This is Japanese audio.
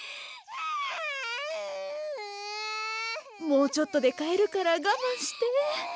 もうちょっとでかえるからがまんして。